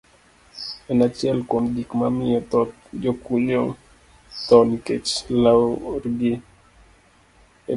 D. en achiel kuom gik mamiyo thoth jokunyo tho nikech lwargi e bur.